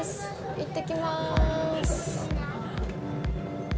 行ってきます。